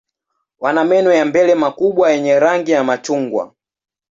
Wana meno ya mbele makubwa yenye rangi ya machungwa.